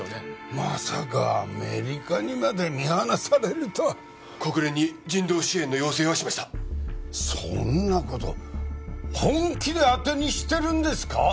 まさかアメリカにまで見放されるとは国連に人道支援の要請をしましたそんなこと本気で当てにしてるんですか！？